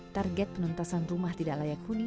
target penuntasan rumah tidak layak huni